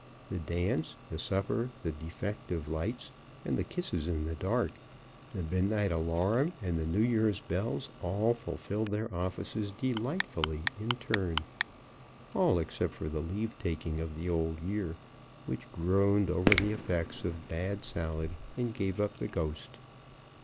The dance, the supper, the defective lights, and the kisses in the dark, the midnight alarm, and the New Year's bells, all fulfilled their offices delightfully in turn all, except the leave taking of the old year, which groaned over the effects of bad salad, and gave up the ghost.